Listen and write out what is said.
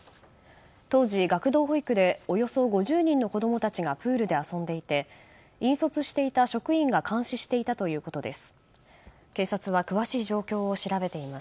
当時、学童保育でおよそ５０人の子供たちがプールで遊んでいて引率していた職員が監視していたということです。